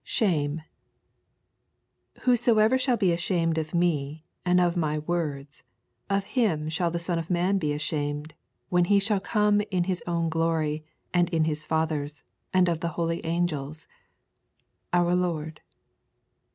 SHAME 'Whosoever shall be ashamed of Me, and of My words, of him shall the Son of Man be ashamed, when He shall come in His own glory, and in His Father's, and of the holy angels.' Our Lord.